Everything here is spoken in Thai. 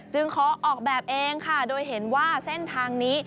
ขอออกแบบเองค่ะโดยเห็นว่าเส้นทางนี้